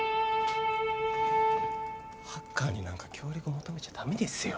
ハッカーになんか協力求めちゃダメですよ